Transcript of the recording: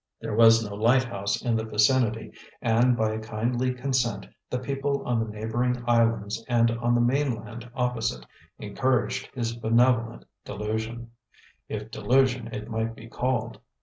There was no lighthouse in the vicinity, and by a kindly consent the people on the neighboring islands and on the mainland opposite encouraged his benevolent delusion, if delusion it might be called.